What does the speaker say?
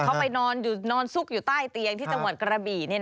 เขาไปนอนซุกอยู่ใต้เตียงที่จังหวัดกระบี่